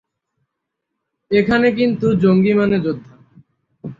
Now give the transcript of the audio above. এখানে কিন্তু জঙ্গি মানে যোদ্ধা।